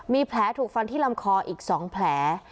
มีแผลถูกฟันที่ลำคออีก๒แผล